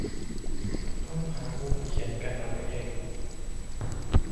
ต้องหามุมเขียนกันเอาเอง